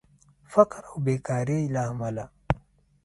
فقر او بیکارې له امله